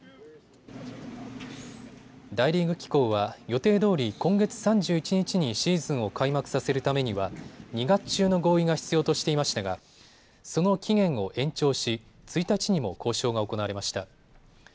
大リーグ機構は予定どおり今月３１日にシーズンを開幕させるためには２月中の合意が必要としていましたがその期限を延長し１日にも交渉が行われました。